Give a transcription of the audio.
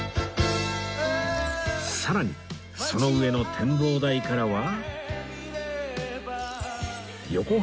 さらにその上の展望台からは